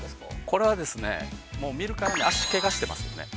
◆これはですね、もう見るからに足けがしてますよね。